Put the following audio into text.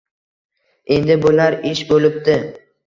Endi bo`lar ish bo`libdi